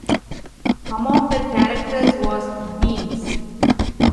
Among the characters was Beans.